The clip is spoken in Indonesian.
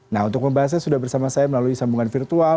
nah untuk membahasnya sudah bersama saya melalui sambungan virtual